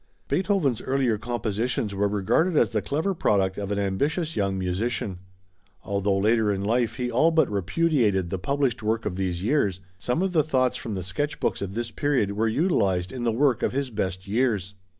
Beethoven's earlier compositions were regarded as the clever product of an ambitious young musician. Although later in life, he all but repudiated the published work of these years, some of the thoughts from the sketch books of this period were utilized in the work of his best years.